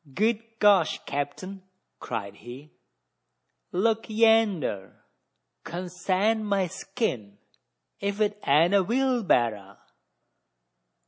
"Good gosh, capt'n!" cried he, "look yander! Consarn my skin! ef 't ain't a wheelberra!"